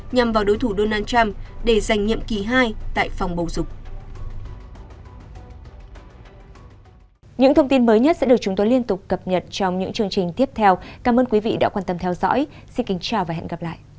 nhằm vào đối thủ donald trump để giành nhiệm kỳ hai tại phòng bầu dục